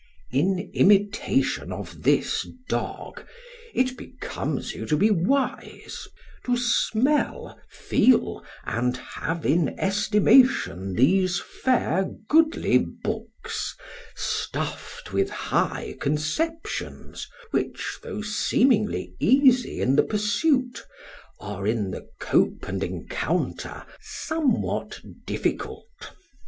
In imitation of this dog, it becomes you to be wise, to smell, feel and have in estimation these fair goodly books, stuffed with high conceptions, which, though seemingly easy in the pursuit, are in the cope and encounter somewhat difficult.